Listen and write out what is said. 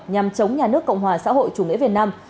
nhằm chống nhà nước cộng hòa xã hội chủ nghĩa việt nam